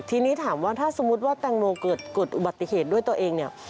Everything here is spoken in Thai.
ทีนี้ถามว่าถ้าสมมุติว่าแตงโมเกิดอุบัติเหตุด้วยตัวเองเนี่ย